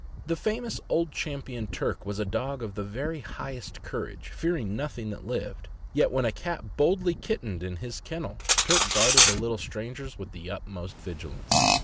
The famous Old Champion Turk was a dog of the very highest courage, fearing nothing that lived, yet when a cat boldly kittened in his kennel, Turk guarded the little strangers with the utmost vigilance.